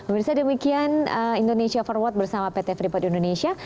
bersama demikian indonesia forward bersama pt freeport indonesia